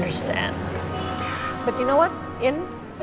tapi kamu tahu apa in